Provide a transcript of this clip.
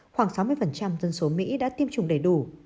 khoảng sáu mươi dân số mỹ đã tiêm chủng đầy đủ